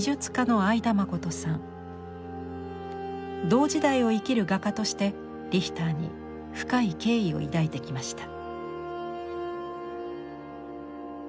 同時代を生きる画家としてリヒターに深い敬意を抱いてきました。